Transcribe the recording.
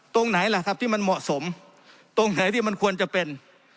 ตรงไหนล่ะครับที่มันเหมาะสมตรงไหนที่มันควรจะเป็น